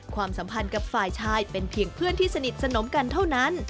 ความสัมพันธ์กับฝ่ายชายเป็นเพียงเพื่อนที่สนิทสนมกันเท่านั้น